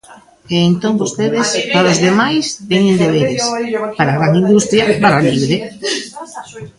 E entón vostedes, para os demais, teñen deberes; para a gran industria, barra libre.